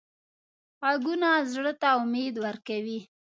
غږونه زړه ته امید ورکوي